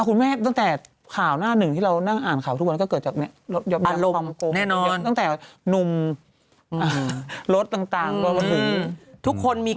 คุณแม่ตั้งแต่ข่าวหน้าหนึ่งที่เรานั่งอ่านข่าวทุกวันก็เกิดจากอารมณ์